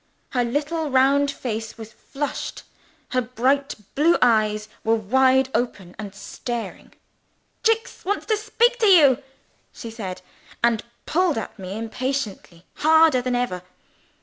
Her little round face was flushed; her bright blue eyes were wide open and staring. "Jicks wants to speak to you," she said and pulled at me impatiently harder than ever.